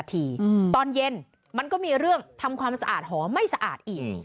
ทีตอนเย็นมันก็มีเรื่องทำความสะอาดหอมไม่สะอาดอีก